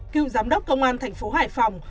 cựu giám đốc công an thành phố hải phòng